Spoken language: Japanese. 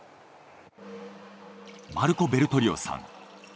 マルコ・ベルトリオさん。